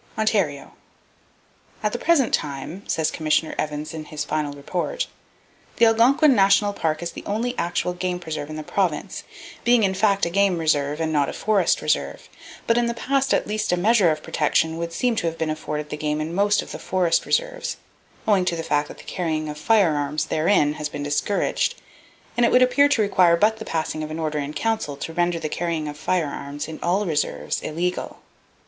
Ontario. —"At the present time," says Commissioner Evans in his "Final Report," "the Algonquin National Park is the only actual game preserve [Page 352] in the Province, being in fact a game reserve and not a forest reserve; but in the past at least a measure of protection would seem to have been afforded the game in most of the [forest] reserves, owing to the fact that the carrying of firearms therein has been discouraged, and it would appear to require but the passing of an Order in Council to render the carrying of firearms in all reserves illegal.